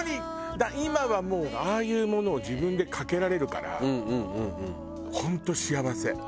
だから今はもうああいうものを自分でかけられるから本当幸せ。